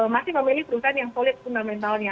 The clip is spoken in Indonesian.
masih memilih perusahaan yang solid fundamentalnya